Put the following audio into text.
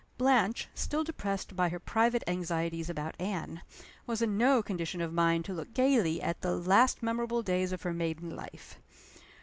Blanche, still depressed by her private anxieties about Anne, was in no condition of mind to look gayly at the last memorable days of her maiden life.